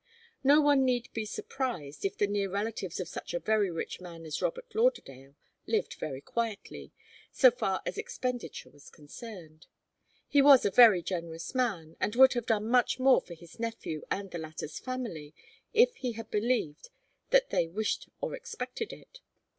No one need be surprised if the near relatives of such a very rich man as Robert Lauderdale lived very quietly, so far as expenditure was concerned. He was a very generous man, and would have done much more for his nephew and the latter's family if he had believed that they wished or expected it.